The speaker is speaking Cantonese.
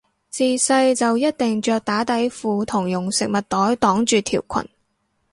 自細就一定着打底褲同用食物袋擋住條裙